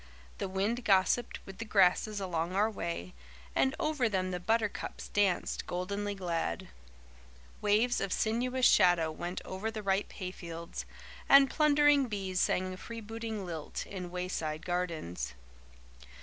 The wind gossiped with the grasses along our way, and over them the buttercups danced, goldenly glad. Waves of sinuous shadow went over the ripe hayfields, and plundering bees sang a freebooting lilt in wayside gardens.